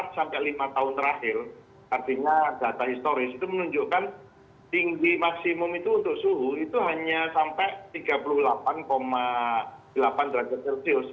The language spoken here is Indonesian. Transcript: enam sampai lima tahun terakhir artinya data historis itu menunjukkan tinggi maksimum itu untuk suhu itu hanya sampai tiga puluh delapan delapan derajat celcius